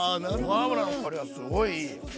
ごま油の香りがすごいいい。